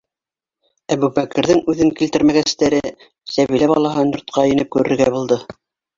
Әбүбәкерҙең үҙен килтермәгәстәре, Сәбилә балаһын йортҡа инеп күрергә булды.